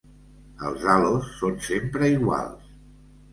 Els halos són sempre iguals.